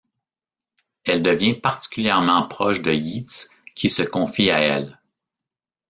Elle devient particulièrement proche de Yeats, qui se confie à elle.